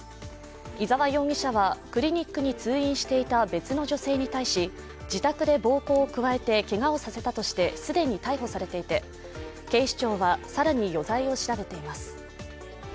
伊沢容疑者は、クリニックに通院していた別の女性に対し自宅で暴行を加えてけがをさせたとして既に逮捕されていて、警視庁は更に余罪を調べています。